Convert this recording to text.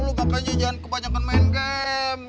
lu gak kerja jangan kebanyakan main game